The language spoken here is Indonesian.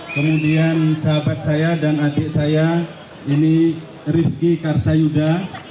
kemudian sahabat saya dan adik saya ini rifki karsayuda